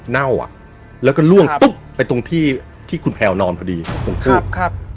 เน่าอ่ะแล้วก็ล่วงปุ๊บไปตรงที่ที่คุณแพลวนอนพอดีตรงทูบ